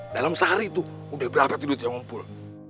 dalam sehari tuh udah berapa judul yang ngumpul